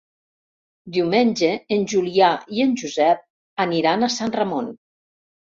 Diumenge en Julià i en Josep aniran a Sant Ramon.